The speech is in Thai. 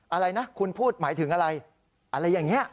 อะไรนะคุณพูดหมายถึงอะไรอะไรอย่างนี้